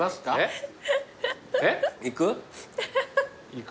行く？